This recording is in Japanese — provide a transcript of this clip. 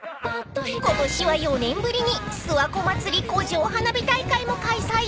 ［ことしは４年ぶりに諏訪湖祭湖上花火大会も開催］